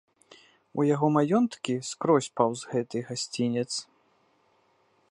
У яго маёнткі скрозь паўз гэты гасцінец.